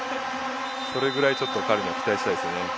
それぐらいちょっと彼には期待したいですね。